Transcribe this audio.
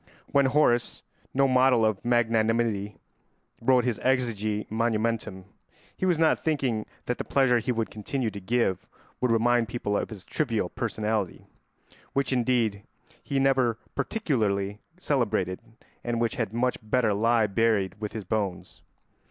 When Horace—no model of magnanimity—wrote his exegi monumentum, he was not thinking that the pleasure he would continue to give would remind people of his trivial personality, which indeed he never particularly celebrated and which had much better lie buried with his bones.